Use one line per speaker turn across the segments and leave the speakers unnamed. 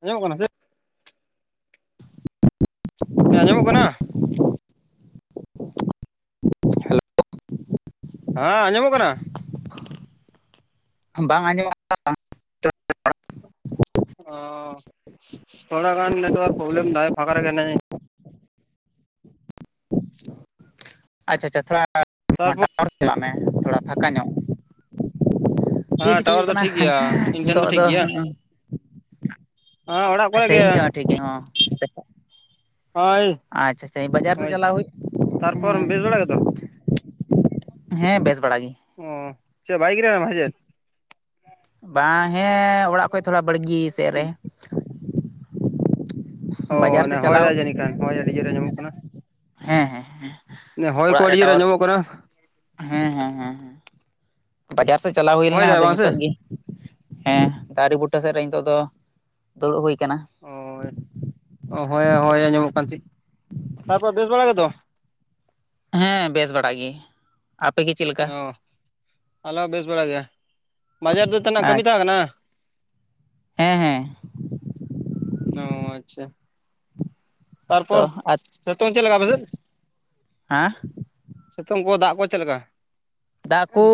ᱟᱸᱡᱚᱢᱚᱜ ᱠᱟᱱᱟ ᱥᱮ?
[inaudible]
ᱱᱤᱛᱚᱜ ᱟᱸᱡᱚᱢᱚᱜ ᱠᱟᱱᱟ?
[unintelligible] ᱦᱮᱞᱳ
ᱦᱮᱸ ᱟᱸᱡᱚᱢᱚᱜ ᱠᱟᱱᱟ ᱾
ᱟᱢ ᱵᱟᱝ ᱟᱸᱡᱚᱢᱚᱜ [unintelligible]
ᱚ ᱛᱷᱚᱲᱟ ᱜᱟᱱ ᱱᱮᱴᱣᱟᱨᱠ ᱯᱚᱵᱞᱮᱢ ᱫᱟᱭ ᱯᱷᱟᱠᱟ ᱨᱮᱜᱮ ᱦᱤᱱᱟᱹᱧᱟ ᱤᱧᱼᱼ
ᱟᱪᱪᱷᱟ ᱟᱪᱪᱷᱟ ᱛᱷᱚᱲᱟ
ᱛᱟᱨᱯᱚᱨ
ᱴᱟᱣᱟᱨ ᱥᱮᱫ ᱪᱟᱞᱟᱜ ᱢᱮ ᱛᱷᱚᱲᱟ ᱯᱷᱟᱠᱟ ᱧᱚᱜ ᱾ ᱪᱮᱫ
ᱦᱮᱸ
ᱪᱤᱠᱟᱹ
ᱴᱟᱣᱟᱨ
ᱦᱩᱭᱩᱜ
ᱫᱚ
ᱠᱟᱱᱟ
ᱴᱷᱤᱠ ᱜᱮᱭᱟ ᱤᱧ ᱴᱷᱮᱱ
ᱱᱤᱛᱚᱜ
ᱴᱷᱤᱠ
ᱫᱚ?
ᱜᱮᱭᱟ ᱦᱮᱸ ᱚᱲᱟᱜ ᱠᱚᱨᱮ
ᱟᱪᱪᱷᱟ
ᱜᱮ
ᱤᱧ ᱦᱚᱸ ᱴᱷᱤᱠ ᱜᱮ ᱦᱚᱸ ᱾
ᱦᱳᱭ
ᱟᱪᱪᱷᱟ ᱟᱪᱪᱷᱟ ᱵᱟᱡᱟᱨ ᱥᱮᱫ
ᱦᱳᱭ
ᱪᱟᱞᱟᱣ ᱦᱩᱭᱩ
ᱛᱟᱨᱯᱚᱨ
ᱦᱮᱸ
ᱵᱮᱥ ᱵᱟᱲᱟ ᱜᱮᱛᱚ
᱾ ᱦᱮᱸ ᱵᱮᱥ ᱵᱟᱲᱟ ᱜᱮ ᱾
ᱚᱻ ᱪᱮᱜ ᱵᱷᱟᱜᱤ ᱜᱮ ᱢᱮᱱᱟᱢ ᱥᱮ ᱪᱮᱫ?
ᱵᱟᱝ ᱦᱮᱸ ᱚᱲᱟᱜ ᱠᱷᱚᱡ ᱛᱷᱚᱲᱟ ᱵᱟᱲᱜᱤ ᱥᱮᱫ ᱨᱮ ᱾
ᱚ ᱦᱚᱭ ᱫᱟᱭ ᱡᱟᱹᱱᱤᱡ ᱠᱷᱟᱱ, ᱦᱚᱭ ᱟᱹᱰᱤ ᱡᱳᱨ ᱟᱸᱡᱚᱢᱚᱜ ᱠᱟᱱᱟ
ᱦᱮᱸ ᱦᱮᱸ
᱾ ᱦᱚᱭ ᱠᱚ
ᱚᱲᱟᱜ ᱨᱮ
ᱟᱹᱰᱤ ᱡᱳᱨ
ᱴᱟᱣᱟᱨ
ᱟᱸᱡᱚᱢᱚᱜ ᱠᱟᱱᱟ ᱾
ᱦᱮᱸ ᱦᱮᱸ ᱦᱮᱸ, ᱵᱟᱡᱟᱨ ᱥᱮᱫ ᱪᱟᱞᱟᱣ ᱦᱩᱭ
ᱦᱚᱭ
ᱞᱮᱱᱟ
ᱫᱟᱭ
ᱟᱫᱚ
ᱵᱟᱝ ᱥᱮ
ᱱᱤᱛᱚᱜ ᱜᱮᱼᱼ ᱦᱮᱸ ᱫᱟᱨᱮ ᱵᱩᱴᱟᱹ ᱥᱮᱫ ᱨᱮ ᱱᱤᱛᱚᱜ ᱫᱚ ᱫᱩᱲᱩᱵ ᱦᱩᱭ ᱠᱟᱱᱟ ᱾
ᱦᱚᱭ, ᱦᱚᱭ ᱦᱚᱭ ᱟᱸᱡᱚᱢᱚᱜ ᱠᱟᱱ ᱪᱮᱫ, ᱛᱟᱨᱯᱚᱨᱮ ᱵᱮᱥ ᱵᱟᱲᱟ ᱜᱮᱫᱚ?
ᱦᱮᱸ ᱵᱮᱥ ᱵᱟᱲᱟ ᱜᱮ ᱾ ᱟᱯᱮ ᱜᱮ ᱪᱮᱫ ᱞᱮᱠ
ᱚ ᱟᱞᱮ ᱦᱚᱸ ᱵᱮᱥ ᱵᱟᱲ ᱜᱮ᱾ ᱵᱟᱡᱟᱨ ᱫᱚ ᱛᱟᱱᱟᱜ ᱠᱟᱹᱢᱤ
ᱟᱪ
ᱛᱟᱦᱮᱸ ᱠᱟᱱᱟ?
ᱦᱮᱸ ᱦᱮᱸ᱾
ᱚ ᱟᱪᱪᱷᱟ᱾
ᱛᱚ
ᱛᱟᱨᱯᱚᱨ
ᱟᱨ
ᱥᱮᱛᱳᱝ ᱪᱮᱫ ᱞᱮᱠᱟ ᱟᱯᱮ ᱥᱮᱫ?
ᱦᱮᱸ
ᱥᱮᱛᱳᱝ ᱠᱚ ᱫᱟᱜ ᱠᱚ ᱪᱮᱫ ᱞᱮᱠᱟ?
ᱫᱟᱜ ᱠᱩ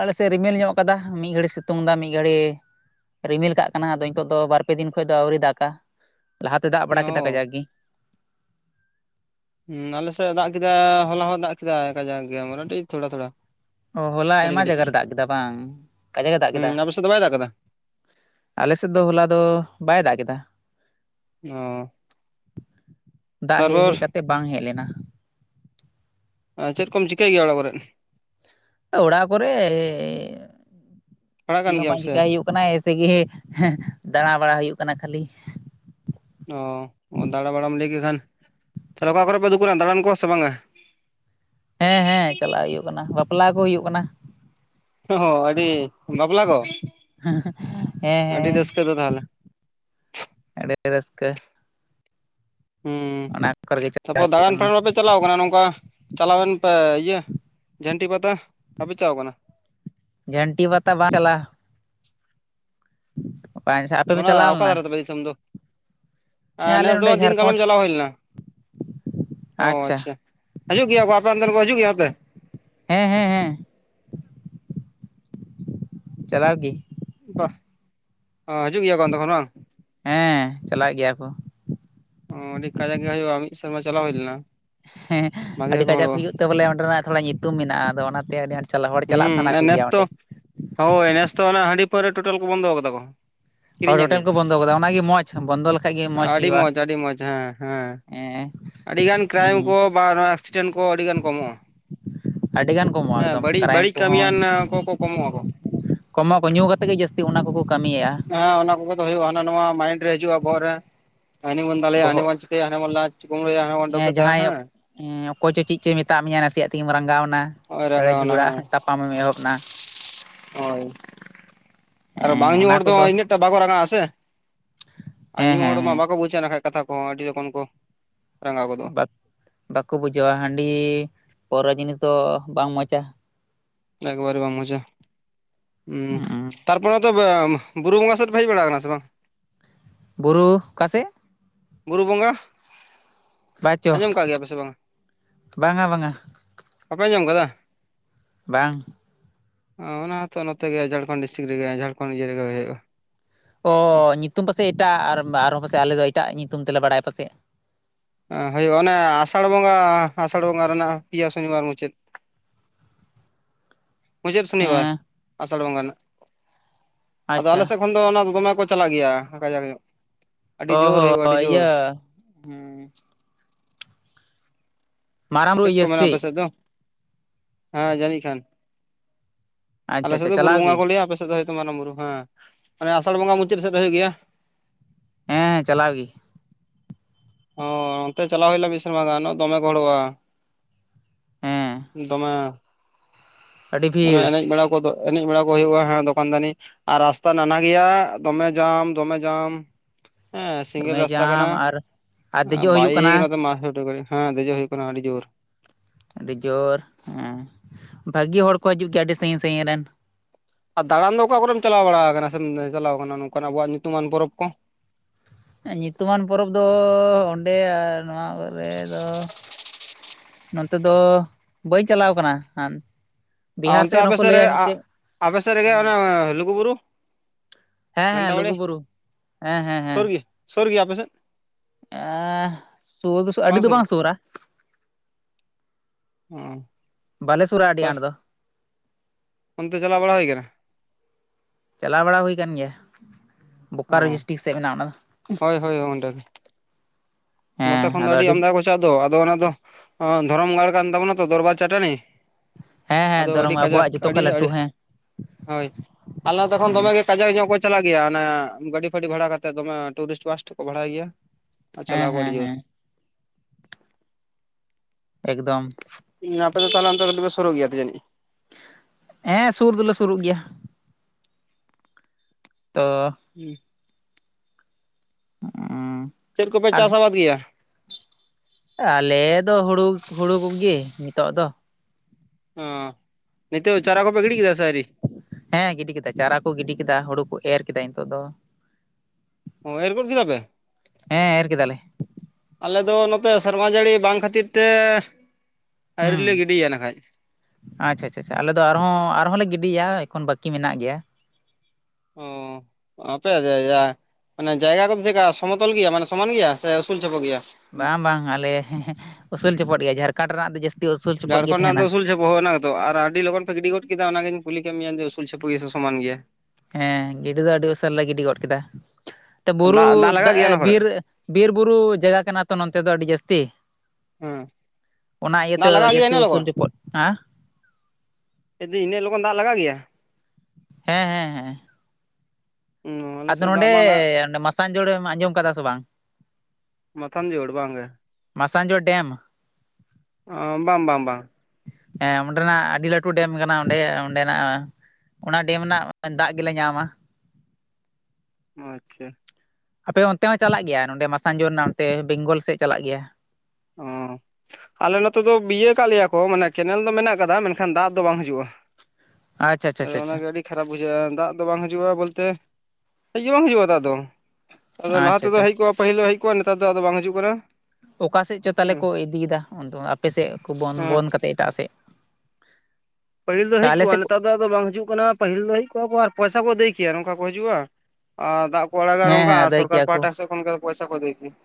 ᱟᱞᱮ ᱥᱮᱫ ᱨᱤᱢᱤᱞ ᱧᱚᱜ ᱠᱟᱫᱟ ᱢᱤᱫ ᱜᱷᱟᱹᱲᱤᱡ ᱥᱤᱛᱩᱝ ᱫᱟ ᱢᱤᱫ ᱜᱷᱟᱹᱲᱤ ᱨᱤᱢᱤᱞ ᱠᱟᱜ ᱠᱟᱱᱟ, ᱟᱫᱚ ᱱᱤᱛᱚᱜ ᱫᱚ ᱵᱟᱨᱯᱮ ᱫᱤᱱ ᱠᱷᱚᱡ ᱫᱚ ᱟᱹᱣᱨᱤ ᱫᱟᱜᱟ, ᱞᱟᱦᱟᱛᱮ ᱫᱟᱜ ᱵᱟᱲᱟ ᱠᱮᱫᱟ
ᱚ
ᱠᱟᱡᱟᱠ ᱜᱮ᱾
ᱦᱩᱸ ᱟᱞᱮ ᱥᱮᱫ ᱮ ᱫᱟᱜ ᱠᱮᱫᱟ ᱦᱚᱞᱟ ᱦᱚᱸ ᱫᱟᱜ ᱠᱮᱫᱟᱭ ᱠᱟᱡᱟᱠ ᱜᱮ ᱢᱚᱴᱟᱴᱤ ᱛᱷᱚᱲᱟ ᱛᱷᱚᱲᱟ᱾
ᱚ ᱦᱚᱞᱟ
ᱠᱟᱹᱴᱤᱡ
ᱟᱭᱢᱟ
ᱠᱟᱹᱴᱤᱡ
ᱡᱟᱭᱜᱟᱨᱮ ᱫᱟᱜ ᱠᱮᱫᱟ ᱵᱟᱝ ᱚᱠᱟ ᱠᱟᱡᱟᱠ ᱮ ᱫᱟᱜ ᱠᱮᱫᱟ᱾
ᱦᱩᱸ ᱟᱯᱮ ᱥᱮᱫ ᱫᱚ ᱵᱟᱭ ᱫᱟᱜ ᱠᱟᱫᱟ
ᱟᱞᱮ ᱥᱮᱫ ᱫᱚ ᱦᱚᱞᱟ ᱫᱚ ᱵᱟᱭ ᱫᱟᱜ ᱠᱮᱫᱟ᱾
ᱚ
ᱫᱟᱜ ᱦᱮᱡ
ᱛᱟᱨᱯᱚᱨ
ᱦᱮᱡ ᱠᱟᱛᱮ ᱵᱟᱝ ᱦᱮᱡ ᱞᱮᱱᱟ᱾
ᱮ ᱪᱮᱫ ᱠᱚᱢ ᱪᱤᱠᱟᱹᱭ ᱜᱮᱭᱟ ᱚᱲᱟᱜ ᱠᱚᱨᱮᱫ?
ᱚᱲᱟᱜ ᱠᱚᱨᱮ
ᱯᱟᱲᱦᱟᱜ
ᱪᱮᱫ
ᱠᱟᱱ
ᱦᱚᱸ
ᱜᱮᱭᱟᱢ
ᱵᱟᱝ
ᱥᱮ
ᱪᱤᱠᱟᱭ ᱦᱩᱭᱩᱜ ᱠᱟᱱᱟ ᱮᱭᱥᱮ ᱜᱮ ᱫᱟᱬᱟ ᱵᱟᱲᱟ ᱦᱩᱭᱩᱜ ᱠᱟᱱᱟ ᱠᱷᱟᱹᱞᱤ᱾
ᱚ ᱫᱟᱬᱟ ᱵᱟᱲᱟᱢ ᱞᱟᱹᱭ ᱠᱮᱫ ᱠᱷᱟᱱ ᱛᱟᱦᱚᱞᱮ ᱚᱠᱟ ᱠᱚᱨᱮ ᱯᱮ ᱫᱩᱠᱩᱱᱟ ᱫᱟᱬᱟᱱ ᱠᱚ ᱥᱮ ᱵᱟᱝᱟ?
ᱦᱮᱸ ᱦᱮᱸ ᱪᱟᱞᱟᱣ ᱦᱩᱭᱩᱜ ᱠᱟᱱᱟ ᱵᱟᱯᱞᱟ ᱠᱚ ᱦᱩᱭᱩᱜ ᱠᱟᱱᱟ᱾
ᱦᱚᱸ ᱟᱹᱰᱤ ᱵᱟᱯᱞᱟ ᱠᱚ
ᱦᱮᱸ
ᱟᱹᱰᱤ
ᱦᱮᱸ
ᱨᱟᱹᱥᱠᱟᱹ ᱫᱚ ᱛᱟᱦᱚᱞᱮ᱾
ᱟᱹᱰᱤ ᱨᱟᱹᱥᱠᱟᱹ,
ᱦᱩᱸ
[unintelligible] ᱪᱟᱞᱟᱜ
ᱛᱟᱯᱚᱨ
ᱦᱩᱭᱩᱜ
ᱫᱟᱬᱟᱱ
ᱠᱟᱱᱟ
ᱯᱷᱟᱨᱟᱱ ᱵᱟᱯᱮ ᱪᱟᱞᱟᱣ ᱠᱟᱱᱟ ᱱᱚᱝᱠᱟ ᱪᱟᱞᱟᱣᱮᱱ ᱯᱮ ᱤᱭᱟᱹ ᱡᱷᱟᱱᱴᱤ ᱯᱟᱛᱟ ᱵᱟᱯᱮ ᱪᱟᱣ ᱠᱟᱱᱟ?
ᱡᱟᱱᱴᱤ ᱯᱟᱛᱟ ᱵᱟᱝ ᱪᱟᱞ ᱟᱪᱪᱷᱟ ᱟᱯᱮ ᱯᱮ
ᱚᱱᱟ
ᱪᱟᱞᱟᱣ
ᱚᱠᱟ ᱫᱟᱨᱮ‌
ᱞᱮᱱᱟ
ᱛᱟᱞᱮ ᱫᱤᱥᱚᱢ ᱫᱚ?
ᱦᱮᱸ ᱟᱞᱮ
ᱱᱮᱥ ᱫᱚ ᱵᱟ
ᱱᱚᱰᱮ
ᱫᱤᱱ ᱠᱟᱞᱚᱢ
ᱡᱷᱟᱲᱠᱷᱚᱸᱰ
ᱪᱟᱞᱟᱣ ᱦᱩᱭ ᱞᱮᱱᱟ, ᱚ ᱟᱪᱪᱷᱟ᱾ ᱦᱤᱡᱩᱜ ᱜᱮᱭᱟ ᱠᱚ ᱟᱯᱮ ᱚᱱᱛᱮᱱ ᱠᱚ ᱦᱤᱡᱩᱜ ᱜᱮᱭᱟ ᱯᱮ?
ᱦᱮᱸ ᱦᱮᱸ ᱦᱮᱸ᱾ ᱪᱟᱞᱟᱣ ᱜᱮ,
ᱵᱟ ᱦᱤᱡᱩᱜ ᱜᱮᱭᱟ ᱠᱚ ᱚᱱᱛᱮ ᱠᱷᱚᱱ ᱵᱟᱝ,
ᱦᱮᱸ ᱪᱟᱞᱟᱜ ᱜᱮᱭᱟ ᱠᱚ᱾
ᱚ ᱟᱹᱰᱤ ᱠᱟᱡᱟᱠ ᱦᱩᱭᱩᱜᱼᱟ, ᱢᱤᱫ ᱥᱮᱨᱢᱟ ᱪᱟᱞᱟ ᱦᱩᱭᱞᱱᱟ᱾
ᱦᱮᱸ ᱟᱹᱰᱤ ᱠᱟᱡᱟᱠ ᱦᱩᱭᱩᱜ ᱛᱮ ᱵᱚᱞᱮ ᱚᱸᱰᱮᱱᱟᱜ ᱛᱷᱚᱲᱟ ᱧᱩᱛᱩᱢ ᱢᱮᱱᱟᱜᱼᱟ, ᱟᱫᱚ ᱚᱱᱟᱛᱮ ᱟᱹᱰᱤ ᱟᱸᱴ ᱪᱟᱞᱟᱜ ᱦᱚᱲ
ᱦᱩ
ᱪᱟᱞᱟᱜ ᱥᱟᱱᱟ
ᱟᱨ
ᱠᱚᱜᱮᱭᱟ
ᱱᱮᱥᱛᱚ
ᱚᱸᱰᱮ
ᱦᱳᱭ ᱱᱮᱥᱛᱚ ᱚᱱᱟ ᱦᱟᱺᱰᱤ ᱯᱟᱹᱣᱨᱟᱹ ᱴᱳᱴᱟᱞ ᱠᱚ ᱵᱚᱱᱫᱚ ᱠᱟᱫᱟ ᱠᱚ᱾ ᱠᱤᱨᱤᱧ
ᱴᱳᱴᱮᱞ
ᱟᱠᱷᱨᱤᱧ
ᱠᱚ ᱵᱚᱱᱫᱚ ᱠᱟᱫᱟ ᱚᱱᱟᱜᱮ ᱢᱚᱸᱡᱽ, ᱟᱪᱪᱷᱟ ᱵᱚᱱᱫᱚ ᱞᱮᱠᱷᱟᱡ ᱜᱮ ᱢᱚᱸᱡᱽ
ᱟᱹᱰᱤ
ᱦᱩᱭᱩᱜᱼᱟ᱾
ᱟᱹᱰᱤ ᱢᱚᱸᱡᱽ ᱦᱮᱸ ᱦᱮᱸ
ᱦᱮᱸ
ᱟᱹᱰᱤ ᱜᱟᱱ
ᱦᱸ
ᱠᱨᱟᱭᱤᱢ ᱠᱚ ᱵᱟ ᱱᱚᱣᱟ ᱮᱠᱥᱤᱰᱮᱱᱴ ᱠᱚ ᱟᱹᱰᱤ ᱜᱟᱱ ᱠᱚᱢᱚᱜᱼᱟ᱾
ᱟᱹᱰᱤᱜᱟᱱ ᱠᱚᱢᱚᱜᱼᱟ
ᱦᱮᱸ
ᱮᱠᱫᱚᱢ
ᱵᱟᱹᱲᱤᱡ ᱵᱟᱹᱲᱤᱡ ᱠᱟᱹᱢᱤᱭᱟᱱ ᱠᱚᱠᱚ ᱠᱚᱢᱚᱜᱼᱟ ᱠᱚ᱾
ᱠᱚᱢᱚ ᱟᱠᱚ ᱧᱩᱠᱟᱛᱮᱫ ᱜᱮ ᱡᱟᱹᱥᱛᱤ ᱚᱱᱟ ᱠᱚᱠᱚ ᱠᱟᱹᱢᱤᱭᱮᱫᱼᱟ᱾
ᱦᱮᱸ ᱚᱱᱟ ᱠᱚᱜᱮ ᱫᱚ ᱦᱩᱭᱩᱜᱼᱟ ᱦᱟᱱᱟ ᱱᱚᱣᱟ ᱢᱟᱭᱤᱱᱰ ᱨᱮ ᱦᱤᱡᱩᱜᱼᱟ ᱵᱚᱦᱚᱜ ᱨᱮ ᱦᱟᱹᱱᱤ ᱵᱚᱱ ᱫᱟᱞᱮᱭᱟ ᱦᱟᱹᱱᱤ
ᱵᱚᱦᱚᱜ
ᱢ ᱦᱟᱱᱤ ᱵᱚᱱ ᱞᱟᱡ ᱦᱟᱱᱰᱮ ᱵᱚᱱ ᱠᱳᱢᱵᱳᱲᱭᱟ ᱦᱟᱱᱰᱮ ᱵᱚᱱ ᱰᱟᱹᱠᱟᱹᱛ-ᱟ ᱦᱮᱸ
ᱦᱮᱸ ᱚᱠᱚᱭ ᱪᱚ ᱪᱮᱫ ᱪᱚᱭ ᱢᱮᱛᱫ ᱢᱮᱭᱟ ᱱᱟᱥᱮᱭᱟᱜ ᱛᱮᱜᱮᱢ ᱨᱟᱸᱜᱟᱣ ᱮᱱᱟ,
ᱦᱚᱸᱜᱼᱚᱭ
ᱦᱚᱭ
ᱨᱟᱸᱜᱟᱣᱱᱟ
ᱡᱷᱚᱜᱽᱲᱟᱜ
ᱦᱮᱸ
ᱛᱟᱯᱟᱢᱮᱢ ᱮᱦᱚᱵ ᱮᱱᱟ᱾
ᱦᱳᱭ ᱟᱨ
ᱦᱮᱸ
ᱵᱟᱝ ᱧᱩ
ᱚᱱᱟ
ᱦᱚᱲ ᱫᱚ
ᱠᱚᱫᱚ
ᱤᱱᱟᱹᱜᱴᱟ ᱵᱟᱠᱚ ᱨᱟᱸᱟᱜ-ᱟ ᱥᱮᱮ᱾ ᱟᱨ
ᱦᱮᱸ
ᱧᱩ
ᱦᱮᱸ
ᱦᱚᱲ ᱢᱟ
ᱦᱮᱸ
ᱵᱟᱠᱚ ᱵᱩᱡᱷᱟᱹᱜᱣ ᱱᱟᱠᱟᱱᱡ ᱠᱟᱛᱷᱟ ᱠᱚᱦᱚᱸ ᱟᱹᱰᱤ ᱞᱚᱜᱚᱱ ᱠᱚ ᱨᱟᱸᱜᱟᱣ ᱜᱚᱫ
ᱵᱟᱠ ᱵᱟᱠᱚ ᱵᱩᱡᱷᱟᱹᱣᱟ ᱦᱟᱺᱰᱤ ᱯᱚᱨᱣᱨᱨᱟ ᱡᱤᱱᱤᱥ ᱫᱚ ᱵᱟᱝ ᱢᱚᱪ-ᱟ᱾
ᱮᱠᱵᱟᱨᱮ ᱵᱟᱝ ᱢᱩᱡᱟ ᱦᱩᱸ, ᱛᱟᱨᱯᱚᱨᱮ ᱫᱚ ᱵᱩᱨᱩ ᱵᱚᱸᱜᱟ ᱥᱮᱫ ᱯᱮ ᱦᱮᱡ ᱵᱟᱲᱟ ᱠᱟᱱᱟ ᱥᱮ ᱵᱟᱝ?
ᱵᱩᱨᱩ, ᱚᱠᱟᱥᱮᱫ?
ᱵᱩᱨᱩ ᱵᱚᱸᱜᱟ᱾
ᱵᱟᱪᱚ
ᱟᱸᱡᱚᱢ ᱠᱟᱜ ᱜᱮᱭᱟ ᱯᱮᱥᱮ ᱵᱟᱝᱟ?
ᱵᱟᱝᱟ ᱵᱟᱝᱟ
ᱵᱟᱯᱮ ᱟᱡᱚᱢ ᱠᱟᱫᱟ᱾
ᱵᱟᱝ᱾
ᱚᱱᱟ ᱦᱚᱸᱛᱚ ᱱᱚᱛᱮ ᱜᱮ ᱡᱷᱟᱲᱠᱷᱰ ᱰᱤᱥᱴᱤᱠ ᱨᱮᱜᱮ ᱡᱷᱟᱲᱠᱷᱚᱸᱰ ᱤᱭᱟᱹ ᱨᱮᱜᱮ ᱦᱩᱭᱩᱜᱼᱟ᱾
ᱚᱻ ᱧᱩᱛᱩᱢ ᱯᱟᱥᱮᱡ ᱮᱴᱟᱜ ᱟᱨ ᱟᱨᱦᱚᱸ ᱯᱟᱥᱮᱡ ᱟᱞᱮᱫ ᱫᱚ ᱮᱴᱟᱜ ᱧᱩᱛᱩᱢ ᱛᱮᱞᱮ ᱵᱟᱲᱟᱭ ᱯᱟᱥᱮᱡ᱾
ᱦᱩᱭᱩᱜᱟ ᱚᱱᱮ ᱟᱥᱟᱲ ᱵᱚᱸᱜᱟ, ᱟᱥᱟᱲ ᱵᱚᱸᱜᱟ ᱨᱮᱱᱟᱜ ᱯᱮᱭᱟ ᱥᱚᱱᱤᱵᱟᱨ ᱢᱩᱪᱟᱹᱫ᱾ [inaudible] ᱢᱩᱪᱟᱹᱫ ᱥᱚᱱᱤᱵᱟᱨ
ᱦᱮᱸ
ᱟᱥᱟᱲ ᱵᱚᱸᱜᱟ ᱨᱮᱱᱟᱜ ᱾ ᱟᱫᱚ ᱟᱞᱮ ᱥᱮᱫ
ᱟᱪᱪᱷᱟ
ᱛᱚᱠᱷᱚᱱ ᱫᱚ ᱚᱱᱟ ᱫᱚ ᱫᱚᱢᱮ ᱠᱚ ᱪᱟᱞᱟᱜ ᱜᱮᱭᱟ᱾ ᱠᱟᱡᱟᱠ ᱧᱚᱜ ᱟᱹᱰᱤ ᱡᱳᱨ ᱦᱩᱭᱩᱜᱼᱟ ᱟᱹᱰᱤ ᱡᱳᱨ᱾
ᱦᱩᱸ, ᱢᱟᱨᱟᱝ ᱵᱩᱨᱩ
ᱪᱮᱫ ᱠᱚ
ᱤᱭᱟᱹ
ᱢᱮᱱᱟ ᱟᱯᱮ ᱥᱮᱫ ᱫᱚ, ᱦᱮᱸ ᱡᱟᱹᱱᱤᱡ ᱠᱷᱟᱱ᱾ ᱟᱞᱮ
ᱟᱪᱪᱷᱟ
ᱥᱮᱫ
ᱟᱪᱪᱷᱟ
ᱫᱚ ᱵᱩᱨᱩ
ᱪᱟᱞᱟᱣ
ᱵᱚᱸᱜᱟ ᱠᱚ
ᱜᱮ
ᱞᱟᱹᱭᱟ ᱟᱯᱮ ᱥᱮᱫ ᱫᱚ ᱦᱳᱭᱛᱚ ᱢᱟᱨᱟᱝ ᱵᱩᱨᱩ ᱦᱮᱸ ᱢᱟᱱᱮ ᱟᱥᱟᱲ ᱵᱚᱸᱜᱟ ᱢᱩᱪᱟᱹᱫ ᱥᱮᱫ ᱫᱚ ᱦᱩᱭᱩᱜ ᱜᱮᱭᱟ᱾
ᱦᱮᱸ ᱪᱟᱞᱟᱣ ᱜᱮ᱾
ᱚ ᱚᱱᱛᱮ ᱪᱟᱞᱟᱣ ᱦᱩᱭᱞᱮᱱᱟ ᱢᱤᱫᱥᱮᱨᱢᱟ ᱜᱟᱱ ᱫᱚᱢᱮ ᱠᱚ ᱦᱚᱲᱚᱜᱼᱟ᱾
ᱦᱮᱸ
ᱫᱚᱢᱮ,
ᱟᱹᱰᱤ ᱵᱷᱤᱲ
ᱮᱱᱮᱡ ᱵᱟᱲᱟ ᱠᱚᱫᱚ, ᱮᱱᱮᱡ ᱵᱟᱲᱟ ᱠᱚ ᱦᱩᱭᱩᱜᱼᱟ᱾ ᱦᱮᱸ ᱫᱚᱠᱟᱱ ᱫᱟᱱᱤ᱾ ᱟᱨ ᱨᱟᱥᱛᱟ ᱱᱟᱱᱟ ᱜᱮᱭᱟ ᱫᱚᱢᱮ ᱡᱟᱢ ᱫᱚᱢᱮ ᱡᱟᱢ᱾ ᱦᱮᱸ ᱥᱤᱸᱜᱮᱞ
ᱫᱚᱢᱮ
ᱨᱟᱥᱛᱟ ᱠᱟᱱᱟ᱾
ᱡᱟᱢ ᱟᱨ ᱟᱨ ᱫᱮᱡᱚᱜ ᱦᱩᱭᱩᱜ
ᱵᱟᱭᱤᱠ
ᱠᱟᱱᱟ
ᱱᱚᱛᱮ ᱢᱟᱥᱴ ᱦᱮ, ᱸ ᱫᱮᱡᱮ ᱦᱳᱭ ᱠᱟᱱᱟ ᱟᱹᱰᱤ ᱡᱳᱨ᱾
ᱟᱹᱰᱤ ᱡᱳᱨ ᱦᱮᱸ, ᱵᱷᱟᱹᱜᱮ ᱦᱚᱲ ᱠᱚ ᱦᱤᱡᱩᱜ ᱜᱮᱭᱟ ᱟᱹᱰᱤ ᱥᱟᱺᱜᱤᱧ ᱥᱟᱺᱜᱤᱧ ᱨᱮᱱ᱾
ᱟᱨ ᱫᱟᱬᱟᱱ ᱫᱚ ᱚᱠᱟ ᱠᱚᱨᱮᱢ ᱪᱟᱞᱟᱣ ᱵᱟᱲᱟ ᱠᱟᱱᱟ ᱥᱮᱢ ᱪᱟᱞᱟᱣ ᱠᱟᱱᱟ ᱱᱚᱝᱠᱟᱱ ᱟᱵᱚᱣᱟᱜ ᱧᱩᱛᱩᱢᱟᱱ ᱯᱚᱨᱚᱵ ᱠᱚ᱾
ᱧᱩᱛᱩᱢᱟᱱ ᱯᱚᱨᱚᱵᱽ ᱫᱚ ᱚᱸᱰᱮ ᱟᱨ ᱱᱚᱣᱟ ᱠᱚᱨᱮ ᱫᱚ, ᱱᱚᱛᱮ ᱫᱚ ᱵᱟᱹᱧ ᱪᱟᱞᱟᱣ ᱠᱟᱱᱟ᱾ ᱦᱟᱱ
ᱟ
ᱵᱤᱦᱟᱨ
ᱚᱱᱛᱮ
ᱨᱮᱦᱚᱸ
ᱟᱯᱮ
ᱠᱚ
ᱥᱮᱫ ᱨᱮ,
ᱞᱟᱹᱭᱟ ᱢᱤᱫᱴᱮᱡ
ᱟᱯᱮ ᱥᱮᱫ ᱨᱮ ᱜᱮ ᱚᱱᱮ ᱞᱩᱜᱩ ᱵᱩᱨᱩ᱾ ᱜᱷᱟᱱᱴᱟ
ᱦᱮᱸ ᱞᱩᱜᱩ ᱵᱩᱨᱩ, ᱦᱮᱸ ᱦᱮᱸ ᱦᱮᱸ᱾
ᱥᱳᱨ ᱜᱮᱭᱟ ᱟᱯᱮ ᱥᱮᱫ?
ᱥᱳᱨ ᱫᱚ ᱥᱳ ᱟᱹᱰᱤ ᱫᱚ ᱵᱟᱝ ᱥᱳᱨᱟ᱾
ᱦᱩᱸ,
ᱵᱟᱞᱮ ᱥᱩᱨᱟ ᱟᱹᱰᱤ ᱟᱸᱴ ᱫᱚ᱾
ᱚᱱᱛᱮ ᱪᱟᱞᱟᱣ ᱵᱟᱲᱟ ᱦᱩᱭ ᱠᱟᱱᱟ᱾
ᱪᱟᱞᱟᱣ ᱵᱟᱲᱟ ᱦᱩᱭ ᱠᱟᱱ ᱜᱮᱭᱟ
ᱚ
ᱵᱳᱠᱟᱨᱳ ᱰᱤᱥᱴᱤᱠ ᱥᱮᱫ ᱢᱮᱱᱟᱜᱼᱟ ᱚᱱᱟ ᱫᱚ᱾
ᱦᱳᱭ ᱦᱳᱭ ᱚᱸᱰᱮ ᱜᱮ᱾
ᱦᱮᱸ
ᱱᱚᱛᱮ ᱠᱷᱚᱱ ᱫᱚ
ᱟᱫᱚ
ᱟᱹᱰᱤ ᱟᱢᱫᱟ ᱜᱮᱠᱚ ᱪᱟᱜ ᱫᱚ ᱟᱫᱚ ᱚᱱᱟ ᱫᱚ ᱫᱷᱚᱨᱚᱢ ᱜᱟᱲ ᱠᱟᱱ ᱛᱟᱵᱚᱱᱟ ᱛᱚ ᱫᱚᱨᱵᱟᱨ ᱪᱟᱴᱟᱹᱱᱤ᱾
ᱦᱮᱸ ᱦᱮᱸ
ᱟᱫᱚ ᱟᱹᱰᱤ
ᱫᱷᱚᱨᱚᱢ
ᱠᱟᱡᱟᱠ
ᱟᱵᱚᱣᱟᱜ ᱡᱚᱛᱚ
ᱟᱹᱰᱤ
ᱠᱷᱚᱱ ᱞᱟᱹᱴᱩ
ᱟᱹᱰᱤ
ᱦᱮᱸ
ᱦᱳᱭ, ᱟᱞᱮ ᱱᱚᱛᱮ ᱠᱷᱚᱱ ᱫᱚᱢᱮ ᱜᱮ ᱠᱟᱡᱟᱠ ᱧᱚᱜ ᱠᱚ ᱪᱟᱞᱟᱜ ᱜᱮᱭᱟ ᱚᱱᱮ ᱜᱟᱹᱰᱤ ᱯᱷᱟᱹᱰᱤ ᱵᱷᱟᱲᱟ ᱠᱟᱛᱮᱫ ᱫᱚᱢᱮ ᱴᱩᱨᱤᱥᱴ ᱵᱟᱥᱴ ᱠᱚ ᱵᱷᱟᱲᱟᱭ ᱜᱮᱭᱟ᱾ ᱟᱨ
ᱦᱮᱸ
ᱪᱟᱞᱟᱜ ᱟᱠᱚ
ᱦᱮᱸ
ᱟᱹᱰᱤ ᱡᱳᱨ᱾
ᱦᱮᱸ ᱮᱠ ᱫᱚᱢ᱾
ᱟᱯᱮ ᱫᱚ ᱛᱟᱦᱚᱞᱮ ᱚᱱᱛᱮ ᱫᱚᱯᱮ ᱥᱳᱨᱳᱜ ᱜᱮᱭᱟ ᱡᱟᱹᱱᱤᱡ?
ᱦᱮᱸ ᱥᱩᱨ ᱫᱚᱞᱮ ᱥᱩᱨᱩᱜ ᱜᱮᱭᱟ᱾ ᱛᱚ,
ᱦᱩᱸ, ᱪᱮᱫ ᱠᱚ ᱯᱮ
ᱟᱨ
ᱪᱟᱥ ᱟᱵᱟᱛ ᱜᱮᱭᱟ᱾
ᱟᱞᱮ ᱫᱚ ᱦᱩᱲᱩ ᱦᱩᱲᱩ ᱠᱚ ᱜᱮ ᱱᱤᱛᱚᱜ ᱫᱚ
ᱚ ᱱᱤᱛᱜ ᱪᱟᱨᱟ ᱠᱚ ᱯᱮ ᱜᱤᱲᱤ ᱠᱮᱫᱟ ᱥᱮ ᱟ. ᱣᱨᱤ
ᱦᱮᱸ ᱜᱤᱰᱤ ᱠᱮᱫᱟ ᱪᱟᱨᱟ ᱠᱚ ᱜᱤᱰᱤ ᱠᱮᱫᱟ ᱦᱳᱲᱳ ᱠᱚ ᱮᱨ ᱠᱮᱫᱟ ᱱᱤᱛᱚᱜ ᱫᱚ
ᱚ ᱮᱨ ᱜᱚᱫ ᱠᱮᱫᱟ ᱯᱮ
ᱦᱮᱸ ᱮᱨ ᱠᱮᱫᱟᱞᱮ
ᱟᱞᱮ ᱫᱚ ᱱᱚᱛᱮ ᱥᱮᱨᱢᱟ ᱡᱟᱹᱲᱤ ᱵᱟᱝ ᱠᱷᱟᱹᱛᱤᱨ ᱛᱮ ᱟᱹᱣᱨᱤ ᱞᱮ ᱜᱤᱰᱤᱭᱟ ᱱᱟᱠᱷᱟᱡ
ᱟᱪᱷᱟ ᱟᱪᱷᱟ ᱪᱷᱟ ᱟᱞᱮ ᱫᱚ ᱟᱨ ᱦᱚᱸ ᱟᱨ ᱦᱚᱸ ᱞᱮ ᱜᱤᱰᱤᱭᱟ ᱮᱠᱷᱚᱱ ᱵᱟᱹᱠᱤ ᱢᱮᱱᱟᱜ ᱜᱮᱭᱟ
ᱚ ᱟᱯᱮᱭᱟᱜ [unintelligible] ᱢᱟᱱᱮ ᱡᱟᱭᱜᱟ ᱠᱚ ᱫᱚ ᱪᱫᱠᱟ ᱥᱚᱢᱚᱛᱚᱞ ᱜᱮᱭᱟ ᱢᱟᱱᱮ ᱥᱚᱢᱟᱱ ᱜᱮᱭᱟ ᱥᱮ ᱩᱥᱩᱞ ᱪᱷᱮᱯᱚ ᱜᱮᱭᱟ
ᱵᱟᱝ ᱵᱟᱝ ᱟᱞᱮ ᱩᱥᱩᱞ ᱪᱷᱮᱯᱚᱫ ᱜᱮᱭᱟ ᱡᱷᱟᱲᱠᱷᱟᱸᱰ ᱨᱮᱱᱟᱜ ᱫᱚ ᱡᱟᱹᱥᱛᱤ ᱩᱥᱩᱞ ᱪᱚᱯᱚᱫ ᱜᱮ
ᱡᱷᱟᱲᱠᱷᱚᱸᱰ ᱨᱮᱱᱟᱜ ᱫᱚ
ᱛᱟᱦᱮᱱᱟ
ᱩᱥᱩᱞ ᱪᱷᱮᱯ ᱦᱳᱭ ᱚᱱᱟ ᱜᱮ ᱛᱚ ᱟᱨ ᱟᱹᱰᱤ ᱞᱚᱜᱚᱱ ᱯᱮ ᱜᱤᱰᱤ ᱜᱚᱫ ᱠᱮᱫᱟ ᱚᱱᱟᱜᱤᱧ ᱠᱩᱞᱤ ᱠᱮᱫ ᱢᱮᱭᱟ ᱡᱮ ᱩᱥᱩᱞ ᱪᱷᱮᱯᱚ ᱜᱮᱭᱟ ᱥᱮ ᱥᱚᱢᱟᱱ ᱜᱮᱭᱟ
ᱦᱮᱸ ᱜᱤᱰᱤ ᱫᱚ ᱟᱹᱰᱤ ᱩᱥᱟᱞ ᱞᱮ ᱜᱤᱰᱤ ᱜᱚᱫ ᱠᱮᱫᱟ ᱛᱮ ᱵᱩᱨᱩ
ᱞᱟᱜᱟᱜ
ᱫᱟᱜ....
ᱜᱮᱭᱟ ᱚᱱᱟ ᱠᱚᱨᱮ
ᱵᱤᱨ, ᱵᱤᱨ ᱵᱩᱨᱩ ᱡᱟᱭᱜᱟ ᱠᱟᱱᱟ ᱛᱚ ᱱᱚᱛᱮ ᱫᱚ ᱟᱹᱰᱤ ᱡᱟᱹᱥᱛᱤ
ᱦᱮᱸ
ᱚᱱᱟ ᱤᱭᱟᱹ ᱛᱮ
ᱫᱟᱜ ᱞᱟᱜᱟᱜ ᱜᱮᱭᱟ
ᱡᱟᱹᱥᱛᱤ
ᱤᱱᱟᱹᱜ
ᱩᱥᱩᱞ
ᱞᱚᱜᱚᱱ
ᱪᱚᱯᱚᱫ ᱦᱟᱸ
ᱞᱮ ᱫᱤᱧ ᱤᱱᱟᱹᱜ ᱞᱚᱜᱚᱱ ᱫᱟᱜ ᱞᱟᱜᱟᱜ ᱜᱮᱭᱟ
ᱦᱮᱸ ᱦᱮᱸ ᱦᱮᱸ
ᱚ ᱟᱞᱮ
ᱟᱫᱚ
ᱥᱮᱫ ᱫᱟᱜ
ᱱᱚᱰᱮ
ᱵᱟᱝ ᱞᱟᱜᱟᱜ
ᱢᱟᱥᱟᱝ ᱡᱳᱲ ᱮᱢ ᱟᱸᱡᱚᱢ ᱟᱠᱟᱫᱟ ᱥᱮ ᱵᱟᱝ
ᱢᱟᱛᱷᱟᱱ ᱡᱚᱲ ᱵᱟᱝ ᱜᱮ
ᱢᱟᱥᱟᱝ ᱡᱚᱲ ᱰᱮᱢ
ᱚ ᱵᱟᱝ ᱵᱟᱝ ᱵᱟᱝ
ᱦᱮᱸ ᱚᱸᱰᱮᱱᱟᱜ ᱟᱹᱰᱤ ᱞᱟᱹᱴᱩ ᱰᱮᱢ ᱠᱟᱱᱟ ᱚᱸᱰᱮ ᱚᱸᱰᱮᱱᱟᱜ ᱚᱱᱟ ᱰᱮᱢ ᱨᱮᱱᱟᱜ ᱫᱟᱜ ᱜᱮ ᱞᱮ ᱧᱟᱢᱟ
ᱟᱪᱷᱟ
ᱟᱯᱮ ᱚᱱᱛᱮ ᱦᱚᱸ ᱪᱟᱞᱟᱜ ᱜᱮᱭᱟ ᱱᱚᱸᱰᱮ ᱢᱟᱥᱟᱝ ᱡᱚᱲ ᱨᱮᱱᱟᱜ ᱚᱱᱛᱮ ᱵᱮᱝᱜᱚᱞ ᱥᱮᱫ ᱪᱟᱞᱟᱜ ᱜᱮᱭᱟ
ᱚ ᱟᱞᱮ ᱱᱚᱛᱮ ᱫᱚ ᱵᱤᱭᱟᱹ ᱠᱟᱜ ᱞᱮᱭᱟ ᱠᱚ ᱢᱟᱱᱮ ᱠᱮᱱᱮᱞ ᱫᱚ ᱢᱮᱱᱟᱜ ᱟᱠᱟᱫᱟ ᱢᱮᱱᱠᱷᱟᱱ ᱫᱟᱜ ᱫᱚ ᱵᱟᱝ ᱦᱤᱡᱩᱜᱼᱟ
ᱟᱪᱪᱷᱟ ᱟᱪᱪᱷᱟ
ᱟ
ᱟᱪᱪᱷᱟ
ᱚᱱᱟ
ᱟᱪᱪᱷᱟ
ᱜᱮ ᱟᱹᱰᱤ ᱠᱷᱟᱨᱟᱯ ᱵᱩᱡᱷᱟᱹᱜᱼᱟ ᱫᱟᱜ ᱫᱚ ᱵᱟᱝ ᱦᱤᱡᱩᱜᱼᱟ ᱵᱚᱞᱛᱮ ᱦᱮᱡ ᱜᱮ ᱵᱟᱝ ᱦᱤᱡᱩᱜᱼᱟ ᱫᱟᱜ ᱫᱚ ᱟᱫᱚ ᱞᱟᱦᱟ
ᱟᱪᱪᱷᱟ
ᱛᱮ ᱫᱚ
ᱟᱪᱪᱷᱟ
ᱦᱮᱡ ᱠᱚᱜᱼᱟ ᱯᱟᱹᱦᱤᱞ ᱫᱚ ᱦᱮᱡ ᱠᱚᱜᱼᱟ ᱱᱮᱛᱟᱨ ᱫᱚ ᱟᱫᱚ ᱵᱟᱝ ᱦᱤᱡᱩᱜ ᱠᱟᱱᱟ
ᱚᱠᱟ ᱥᱮᱫ ᱪᱚ ᱛᱟᱞᱮ
ᱦᱮᱸ
ᱠᱚ ᱤᱫᱤ ᱮᱫᱟ ᱩᱱ ᱫᱚ ᱟᱯᱮ ᱥᱮᱫ ᱠᱚ ᱵᱚᱱ
ᱦᱮᱸ
ᱵᱚᱱ ᱠᱟᱛᱮᱫ ᱮᱴᱟᱜ ᱥᱮᱫ
ᱯᱟ. ᱦᱤᱞ ᱫᱚ ᱦᱮᱡ
ᱟᱞᱮ
ᱠᱚᱜ-ᱟ
ᱥᱮᱫ ᱠᱚ
ᱱᱮᱛᱟᱨ ᱫᱟᱜ ᱫᱚ ᱵᱟᱝ ᱦᱤᱡᱩᱜ ᱠᱟᱱᱟ ᱯᱟᱹᱦᱤᱞ ᱫᱚ ᱦᱮᱡ ᱠᱚᱜᱼᱟ ᱠᱚ ᱟᱨ ᱯᱚᱭᱥᱟ ᱠᱚ ᱟᱹᱫᱟᱭ ᱠᱮᱭᱟ ᱱᱚᱝᱠᱟ ᱠᱚ ᱦᱤᱡᱩᱜᱼᱟ ᱟᱨ ᱫᱟᱜ ᱠᱚ ᱟᱲᱟᱜᱟ
ᱦᱮᱸ
ᱱᱚᱝᱠᱟ
ᱦᱮᱸ
ᱟᱨ
ᱟᱹᱫᱟᱹᱭ
ᱥᱚᱨᱟᱨ
ᱜᱮᱭᱟ ᱠᱚ
ᱯᱟᱦᱴᱟ ᱥᱮ ᱠᱷᱚᱱ ᱚᱱᱠᱟ ᱯᱚᱭᱥᱟ ᱠᱚ ᱤᱫᱤ ᱛᱮᱦᱮᱸᱫ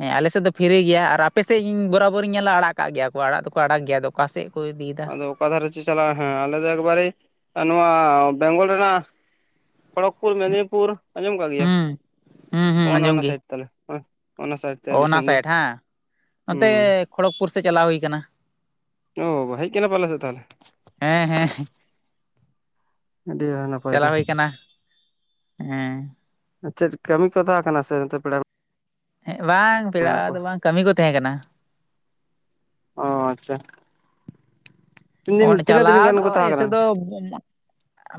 ᱦᱮᱸ ᱟᱞᱮ ᱥᱮᱫ ᱫᱚ ᱯᱷᱤᱨᱤ ᱜᱮᱭᱟ ᱟᱨ ᱟᱯᱮ ᱥᱮᱫ ᱤᱧ ᱵᱚᱨᱟᱵᱚᱨᱤᱧ ᱧᱮᱞᱟ ᱟᱲᱟᱜ ᱟᱠᱟᱜ ᱜᱮᱭᱟ ᱠᱚ ᱟᱲᱟᱜ ᱫᱚ ᱠᱚ ᱟᱲᱟᱜ ᱜᱮᱭᱟ ᱚᱠᱟᱥᱮᱫ ᱠᱚ ᱤᱫᱤ ᱮᱫᱟ
ᱟᱫᱚ ᱚᱠᱟ ᱫᱷᱟᱨᱮ ᱪᱚᱸ ᱪᱟᱞᱟᱜᱼᱟ ᱦᱮᱸ ᱟᱞᱮ ᱫᱚ ᱮᱠᱵᱟᱨᱮ ᱱᱚᱶᱟ ᱵᱮᱝᱜᱚᱞ ᱨᱮᱱᱟᱜ ᱠᱷᱚᱲᱚᱜᱽᱯᱩᱨ ᱢᱮᱫᱽᱱᱤᱯᱩᱨ ᱟᱸᱡᱚᱢ ᱟᱠᱟᱫ ᱜᱮᱭᱟ
ᱦᱩᱸ ᱦᱩᱸ ᱦᱩᱸ
ᱚᱱ
ᱟᱸᱡᱚᱢ
ᱚᱱᱟ
ᱜᱮ
ᱥᱟᱭᱤᱰ ᱛᱟᱞᱮ ᱚᱱᱟ ᱥᱟᱭᱤᱰ
ᱚ
ᱛᱮ
ᱚᱱᱟ
ᱫᱤᱥᱚᱢ ᱫᱚ
ᱥᱟᱭᱤᱰ ᱦᱮᱸ ᱱᱚᱛᱮ
ᱦᱩᱸ
ᱠᱷᱚᱲᱚᱜᱯᱩᱨ ᱥᱮᱫ ᱪᱟᱞᱟᱣ ᱦᱩᱭ ᱟᱠᱟᱱᱟ
ᱚ ᱵᱟᱵᱟ ᱦᱮᱡ ᱟᱠᱟᱱᱟ ᱯᱮ ᱟᱞᱮ ᱥᱮᱫ ᱛᱟᱦᱚᱞᱮ
ᱦᱮᱸ ᱦᱮᱸ
ᱟᱹᱰᱤ [unintelligible]
ᱪᱟᱞᱟᱣ ᱦᱩᱭ ᱟᱠᱟᱱᱟ ᱦᱮᱸ
ᱪᱮᱫ ᱠᱟᱹᱢᱤ ᱠᱚ ᱛᱟᱦᱮᱸ ᱠᱟᱱᱟ ᱥᱮ ᱱᱚᱛᱮ ᱯᱮᱲᱟ
ᱦᱮᱸ ᱵᱟᱝ ᱯᱮᱲᱟ
ᱢᱮᱱᱟᱜ ᱠᱚᱣᱟ
ᱫᱚ ᱵᱟᱝ ᱠᱟᱹᱢᱤ ᱠᱚ ᱛᱟᱦᱮᱸ ᱠᱟᱱᱟ
ᱚ ᱟᱪᱪᱷᱟ ᱛᱤᱱ ᱫᱤᱱ
ᱚᱸᱰᱮ
ᱛᱤᱱᱟᱹᱜ ᱫᱤᱱ
ᱪᱟᱞᱟᱣ
ᱜᱟᱱ
ᱫᱚ
ᱠᱚ ᱛᱟᱦᱮᱸ ᱠᱟᱱᱟ
ᱮᱭᱥᱮ ᱫᱚ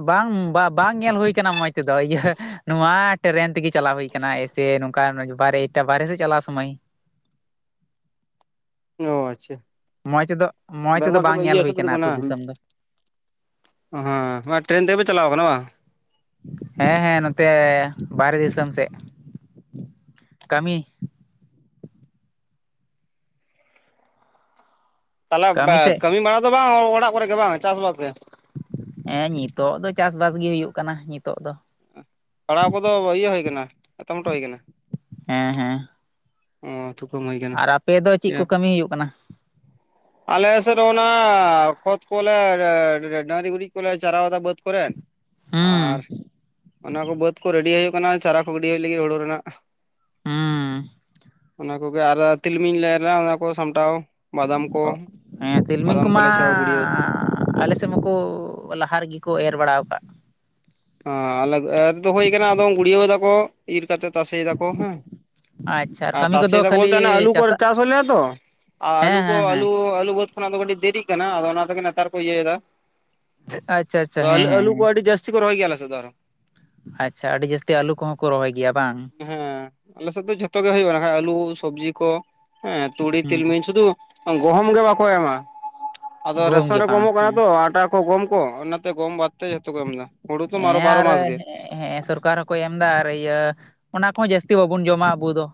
ᱵᱟᱝ ᱵᱟ ᱵᱟᱝ ᱧᱮᱞ ᱦᱩᱭ ᱟᱠᱟᱱᱟ ᱢᱚᱡᱽ ᱛᱮᱫᱚ ᱤᱭᱟᱹ ᱱᱚᱶᱟ ᱴᱨᱮᱱ ᱛᱮᱜᱮ ᱪᱟᱞᱟᱣ ᱦᱳᱭ ᱠᱟᱱᱟ ᱮᱭᱥᱮ ᱱᱚᱝᱠᱟ ᱵᱟᱨᱮ ᱮᱴᱟ ᱵᱟᱨᱮ ᱥᱮᱫ ᱪᱟᱞᱟᱣ ᱥᱚᱢᱚᱭ
ᱚ ᱟᱪᱪᱷᱟ
ᱢᱚᱸᱡᱽ ᱮᱫ ᱢᱚᱸᱡᱽ ᱛᱮᱫᱚ
ᱵᱮᱝᱜᱚᱞ ᱥᱮᱫ
ᱵᱟᱝ ᱧᱮᱞ
ᱤᱭᱟᱹ
ᱦᱩᱭ
ᱥᱮᱫ ᱯᱮ
ᱟᱠᱟᱱᱟ ᱟ ᱟᱹᱛᱩ ᱫᱤᱥᱚᱢ ᱫᱚ
ᱚ ᱦᱮᱸ ᱴᱨᱮᱱ ᱛᱮᱜᱮ ᱯᱮ ᱪᱟᱞᱟᱣ ᱠᱟᱱᱟ ᱵᱟᱝ?
ᱦᱮᱸ ᱦᱮᱸ ᱱᱚᱛᱮ ᱵᱟᱨᱦᱮ ᱫᱤᱥᱚᱢ ᱥᱮᱫ, ᱠᱟᱹᱢᱤ
ᱛᱟᱦᱚᱞᱮ ᱵᱟ ᱠᱟᱹᱢᱤ ᱵᱟᱲᱟ ᱫᱚ ᱵᱟᱝ ᱚᱲᱟᱜ ᱠᱚᱨᱮᱜ ᱵᱟᱝ ᱪᱟᱥ ᱵᱟᱥ ᱜᱮ
ᱮᱸ ᱱᱤᱛᱳᱜ ᱫᱚ ᱪᱟᱥ-ᱵᱟᱥ ᱜᱮ ᱦᱩᱭᱩᱜ ᱠᱟᱱᱟ ᱱᱤᱛᱳᱜ ᱫᱚ
ᱯᱟᱲᱦᱟᱣ ᱠᱚᱫᱚ ᱤᱭᱟᱹ ᱦᱩᱭ ᱠᱟᱱᱟ ᱮᱛᱚᱢᱴᱚ ᱦᱩᱭ ᱟᱠᱟᱱᱟ?
ᱦᱮᱸ ᱦᱮᱸ
ᱚ ᱛᱩᱠᱟᱹᱢ ᱦᱩᱭ ᱠᱟᱱᱟ
ᱟᱨ ᱟᱯᱮ ᱫᱚ ᱪᱮᱫ ᱠᱚ ᱠᱟᱹᱢᱤ ᱦᱩᱭᱩᱜ ᱠᱟᱱᱟ?
[inaudible] ᱟᱞᱮ ᱥᱮᱫ ᱚᱱᱟ ᱠᱷᱚᱛ ᱠᱚᱞᱮ ᱵᱟ-ᱰᱟᱹᱝᱨᱤ ᱜᱩᱨᱤᱡ ᱠᱚᱞᱮ ᱪᱟᱨᱟᱣᱫᱟ ᱵᱟᱹᱫᱽ ᱠᱚᱨᱮ ᱟᱨ
ᱦᱩᱸ
ᱚᱱᱟ ᱠᱚ ᱵᱟᱹᱫᱽ ᱠᱚ ᱨᱮᱰᱤ ᱦᱩᱭᱩᱜ ᱠᱟᱱᱟ ᱪᱟᱨᱟ ᱠᱚ ᱜᱤᱰᱤ ᱦᱩᱭᱩᱜ ᱞᱟᱹᱜᱤᱫ ᱦᱩᱲᱩ ᱨᱮᱱᱟᱜ
ᱦᱩᱸ
ᱚᱱᱟ ᱠᱚᱜᱮ ᱟᱨ ᱛᱤᱞᱢᱤᱧ ᱞᱮ ᱮᱨ ᱞᱟᱼᱟ ᱚᱱᱟ ᱠᱚ ᱥᱟᱢᱴᱟᱣ ᱵᱟᱫᱟᱢ ᱠᱚ
ᱚ ᱦᱮᱸ ᱛᱤᱞᱢᱤᱧ
ᱵᱟᱫᱟᱢ
ᱠᱚᱢᱟ
ᱠᱚᱞᱮ ᱪᱷᱟᱣ ᱜᱩᱲᱭᱟᱹᱣ
ᱟᱞᱮ [unintelligible] ᱞᱟᱦᱟ ᱨᱮᱜᱮ ᱠᱚ ᱮᱨ ᱵᱟᱲᱟ ᱠᱟᱫ
ᱦᱟ ᱟᱞᱮ ᱮᱨ ᱫᱚ ᱦᱩᱭ ᱠᱟᱱᱟ ᱟᱫᱚ ᱜᱩᱲᱤᱭᱟᱣ ᱫᱟᱠᱚ ᱤᱨ ᱠᱟᱛᱮ ᱛᱟᱥᱮᱭ ᱫᱟᱠᱚ ᱦᱮᱸ
ᱟᱪᱪᱷᱟ
ᱟᱨ
ᱠᱟᱹᱢᱤ
ᱛᱟᱥᱮ
ᱠᱚᱫᱚ
ᱫᱟᱠᱚ
ᱠᱷᱟᱹᱞᱤ
ᱵᱚᱞᱛᱮ ᱚᱱᱮ ᱟᱹᱞᱩ ᱠᱚ
ᱪᱟᱥᱟᱜ
ᱪᱟᱥ ᱦᱩᱭ ᱞᱮᱱᱟ ᱛᱚ ᱟᱹᱞᱩ
ᱦᱮᱸ
ᱠᱚ
ᱦᱮᱸ ᱦᱮᱸ
ᱟᱹᱞᱩ ᱟᱹᱞᱩ ᱵᱟᱹᱛ ᱠᱷᱚᱱᱟᱜ ᱫᱚ ᱠᱟᱹᱴᱤᱡ ᱫᱮᱨᱤ ᱠᱟᱱᱟ ᱟᱫᱚ ᱚᱱᱟ ᱛᱮᱮ ᱱᱮᱛᱟᱨ ᱠᱚ ᱤᱭᱟᱹᱭᱮᱫᱟ,
ᱟᱪᱪᱷᱟ ᱟᱪᱪᱷᱟ ᱦᱮᱸ ᱦᱮᱸ
ᱟᱞᱩ ᱠᱚ
ᱦᱮᱸ
ᱟᱹᱰᱤ ᱡᱟᱹᱛᱤ ᱨᱚᱦᱚᱭ ᱜᱮᱭᱟ ᱟᱞᱮ ᱥᱮᱫ ᱫᱚ ᱟᱨᱦᱚ
ᱟᱪᱪᱷᱟ ᱟᱹᱰᱤ ᱡᱟᱹᱥᱛᱤ ᱟᱹᱞᱩ ᱠᱚᱦᱚᱸ ᱠᱚ ᱨᱚᱦᱚᱭ ᱜᱮᱭᱟ ᱵᱟᱝ?
ᱦᱮᱸ ᱟᱞᱮᱥᱮᱫ ᱫᱚ ᱡᱷᱚᱛᱚ ᱜᱮ ᱦᱩᱭᱩᱜ ᱠᱟᱱᱟ ᱟᱞᱩ ᱥᱚᱵᱽᱡᱤ ᱠᱚ ᱦᱮᱸ ᱛᱩᱲᱤ
ᱦᱩᱸ
ᱛᱤᱞᱢᱤᱧ ᱥᱩᱫᱷᱩ ᱜᱚᱦᱚᱢ ᱜᱮ ᱵᱟᱠᱚ ᱮᱢᱟ, ᱟᱫᱚ
ᱜᱩᱦᱩᱢ
ᱨᱮᱥᱚᱱ
ᱜᱮ
ᱨᱮᱠᱚ
ᱵᱟᱝ
ᱚᱢᱚᱜ ᱠᱟᱱᱟ
ᱦᱮᱸ
ᱛᱚ ᱟᱸᱴᱟ ᱜᱚᱢ ᱠᱚ ᱚᱱᱟᱛᱮ ᱜᱚᱢ ᱵᱟᱫ ᱛᱮ ᱡᱷᱚᱛᱚ ᱠᱚ ᱮᱢ ᱮᱫᱟ ᱦᱩᱲᱩ ᱛᱚ ᱢᱟᱨᱚ
ᱦᱮᱸ
ᱵᱟᱨᱚ
ᱟᱨ
ᱢᱟᱥ ᱜᱮ
ᱦᱮᱸ ᱥᱚᱨᱠᱟᱨ ᱦᱚᱸᱠᱚ ᱮᱢ ᱫᱟ ᱟᱨ ᱤᱭᱟᱹ ᱚᱱᱟ ᱠᱚᱦᱚᱸ ᱡᱟᱹᱥᱛᱤ ᱵᱟᱵᱚᱱ ᱡᱚᱢᱟ ᱟᱵᱚ ᱫᱚ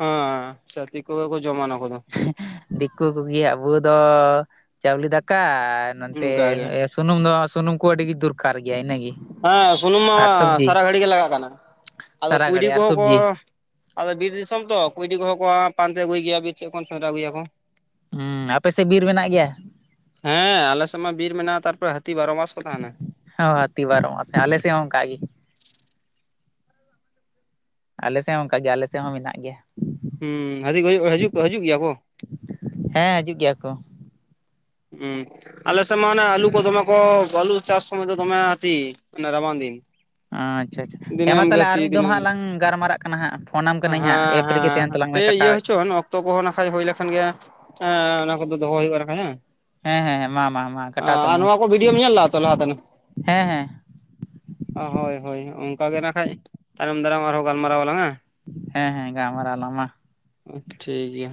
ᱦᱮᱸ ᱪᱷᱟᱛᱤᱠ ᱠᱚᱜᱮ ᱠᱚ ᱡᱚᱢᱟ ᱠᱚᱫᱚ
ᱫᱤᱠᱩ ᱠᱚᱜᱮ ᱟᱵᱚ ᱫᱚ ᱪᱟᱣᱞᱮ ᱫᱟᱠᱟ ᱟᱨ ᱱᱚᱛᱮ
ᱚᱱᱠᱟᱜᱮ
[unintelligible] ᱥᱩᱱᱩᱢ ᱫᱚ ᱥᱩᱱᱩᱢ ᱠᱚ ᱟᱹᱰᱤ ᱜᱮ ᱫᱩᱨ
ᱦᱮᱸ ᱥᱩᱱᱩᱢ ᱢᱟ
ᱥᱚᱵᱽᱡᱤ
ᱥᱟᱨᱟ ᱜᱷᱟᱹᱲᱤ ᱜᱮ ᱞᱟᱜᱟᱜ ᱠᱟᱱᱟ ᱟᱫᱚ
ᱥᱟᱨᱟ
ᱠᱩᱭᱰᱤ
ᱜᱷᱟᱹᱲᱤᱡ ᱟᱨ
ᱠᱚᱦᱚ ᱠᱚ
ᱥᱚᱵᱽᱡᱤ
ᱟᱫᱚ ᱵᱤᱨ ᱫᱤᱥᱚᱢ ᱛᱚ ᱠᱩᱭᱰᱤ ᱠᱚᱦᱚᱸ ᱠᱚ ᱯᱟᱱᱛᱮ ᱟᱹᱜᱩᱭ ᱜᱮᱭᱟ ᱵᱤᱨ ᱪᱮᱫ ᱠᱷᱚᱱ ᱥᱫᱽᱨᱟ ᱟᱹᱜᱩᱭᱟ ᱠᱚ
ᱦᱩᱸ ᱟᱯᱮᱥᱮᱫ ᱵᱤᱨ ᱢᱮᱱᱟᱜ ᱜᱮᱭᱟ?
ᱦᱮᱸ ᱟᱞᱮᱥᱮᱫ ᱢᱟ ᱵᱤᱨ ᱢᱮᱱᱟᱜᱼᱟ ᱛᱟᱨᱯᱚᱨᱮ ᱦᱟᱹᱛᱤ ᱵᱟᱨᱚ ᱢᱟᱥ ᱠᱚ ᱛᱟᱦᱮᱱᱟ
ᱦᱚ ᱦᱟᱹᱛᱤ ᱵᱟᱨᱚ ᱢᱟᱥ ᱦᱮᱸ ᱟᱞᱮᱥᱮᱜ ᱦᱚᱸ ᱚᱱᱠᱟ ᱜᱮ ᱟᱞᱮ ᱥᱮᱫ ᱦᱚᱸ ᱚᱱᱠᱟ ᱜᱮ ᱟᱞᱮ ᱥᱮᱫ ᱦᱚᱸ ᱢᱮᱱᱟᱜ ᱜᱮᱭᱟ
ᱦᱩᱸᱦᱟᱸᱛᱤ ᱠᱟ ᱦᱤᱡᱩᱜ ᱠᱚ ᱦᱤᱡᱩᱜ ᱦᱤᱡᱩᱜ ᱜᱮᱭᱟ ᱠᱚ?
ᱦᱮᱸ ᱦᱤᱡᱩᱜ ᱜᱮᱭᱟ ᱠᱚ
ᱦᱩᱸ ᱟᱞᱮ ᱥᱮᱫ ᱢᱟ ᱚᱱᱟ ᱟᱹᱞᱩ ᱠᱚ ᱫᱚᱢᱮ ᱠᱚ ᱟᱹᱞᱩ ᱪᱟᱥ ᱥᱚᱢᱚᱭ ᱫᱚ ᱫᱚᱢᱮ ᱦᱟᱛᱹᱤ ᱨᱟᱵᱟᱱ ᱫᱤᱱ
ᱟᱪᱪᱷᱟ ᱟᱪᱪᱷᱟ ᱦᱮᱸ ᱢᱟ
ᱫᱤᱱᱟᱹᱢ ᱜᱮ
ᱛᱟᱦᱚᱞᱮ ᱟᱨ
ᱦᱟᱹᱛᱤ
ᱢᱤᱫ ᱫᱚᱢ
ᱫᱤᱱᱟᱹᱢ
ᱦᱟᱸᱜ
ᱜᱮ᱾
ᱞᱟᱝ ᱜᱟᱨᱢᱟᱨᱟᱜ ᱠᱟᱱᱟ ᱦᱟᱸᱜ ᱯᱷᱳᱱᱟᱢ ᱠᱟᱹᱧ ᱦᱟᱸᱜ ᱮᱯ ᱨᱮᱜᱮ ᱛᱟᱦᱮᱱ ᱛᱟᱞᱟᱝ
[unintelligible]
ᱢᱮ
ᱦᱟᱯᱮ ᱤᱭᱟᱹ
ᱠᱟᱴᱟᱣ
ᱦᱚᱪᱚ ᱛᱚ ᱠᱚᱦᱚᱸ ᱱᱟᱠᱷᱟᱡ ᱦᱩᱭ ᱞᱮᱠᱷᱟᱱ ᱜᱮ ᱮᱸ ᱚᱱᱟ ᱠᱚᱫᱚ ᱫᱚᱦᱚ ᱦᱩᱭᱩᱜᱼᱟ ᱱᱟᱠᱷᱟᱡ ᱦᱮᱸ
ᱦᱮᱸ ᱦᱮᱸ ᱦᱮᱸ ᱢᱟ ᱢᱟ ᱢᱟ ᱠᱟᱴᱟᱣ
ᱟᱨ
ᱛᱟᱞᱟᱝ ᱢᱮ
ᱱᱚᱣᱟ ᱠᱚ ᱵᱷᱤᱰᱭᱳᱢ ᱧᱮᱞ ᱞᱮᱜᱼᱟ ᱛᱚ ᱞᱟᱦᱟ ᱛᱮᱱᱟᱜ᱾
ᱦᱮᱸ ᱦᱮᱸ
ᱦᱳᱭ ᱦᱳᱭ ᱚᱱᱠᱟ ᱜᱮ ᱱᱟᱜ ᱠᱷᱟᱡ, ᱛᱟᱭᱚᱢ ᱫᱟᱨᱟᱢ ᱟᱨᱦᱚᱸ ᱜᱟᱞᱢᱟᱨᱟᱣ ᱟᱞᱟᱝ ᱦᱮᱸ᱾
ᱦᱮᱸ ᱦᱮᱸ ᱜᱟᱞᱢᱟᱨᱟᱣ ᱟᱞᱟᱝ ᱢᱟ
ᱴᱷᱤᱠ ᱜᱮᱭᱟ᱾